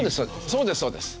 そうですそうです！